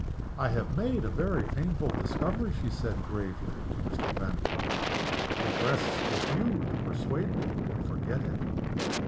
"I have made a very painful discovery," she said, gravely, to Mr. Vanborough. "It rests with you to persuade me to forget it!